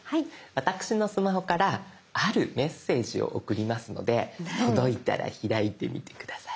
私のスマホからあるメッセージを送りますので届いたら開いてみて下さい。